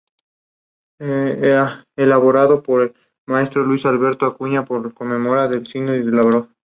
Su tumba está marcada en la isla de Bering por un modesto monumento.